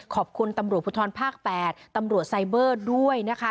ขอบคุณตำรวจภูทรภาค๘ตำรวจไซเบอร์ด้วยนะคะ